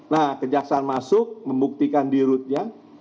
nah kejaksaan masuk membuktikan di rutnya